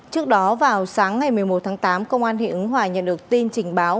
trước đó vào sáng ngày một mươi một tháng tám công an huyện ứng hòa nhận được tin trình báo